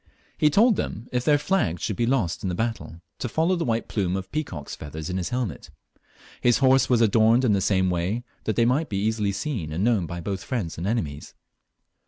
He told them, if their flags should be lost in the battle, to follow the white plume of peacock's feathers in his helmet His horse was adorned in the same way, that they might be easUy seen and known by *both friends and enemies.